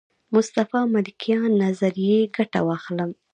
مصطفی ملکیان نظریې ګټه واخلم.